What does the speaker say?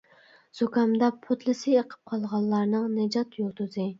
زۇكامداپ پوتلىسى ئېقىپ قالغانلارنىڭ نىجات يۇلتۇزى.